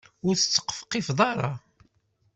Ur ttqefqifet ara.